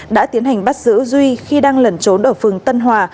đã tiến hành bắt giữ duy khi đang lẩn trốn ở phường tân hòa